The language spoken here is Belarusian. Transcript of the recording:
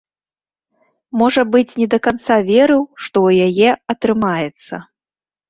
Можа быць, не да канца верыў, што ў яе атрымаецца.